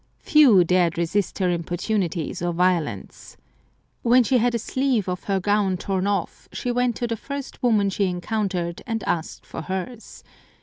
Few dared resist her importunities or violence. When she had a sleeve of her gown torn off she went to the first woman she encountered and asked for hers.